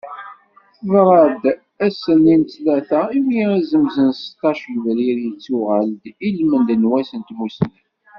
Teḍra-d ass-nni n ttlata, imi azemz n seṭṭac yebrir yettuɣal-d ilmend n wass n tmussni.